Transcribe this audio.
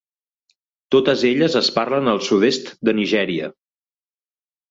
Totes elles es parlen al sud-est de Nigèria.